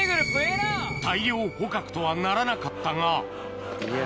大量捕獲とはならなかったがいや。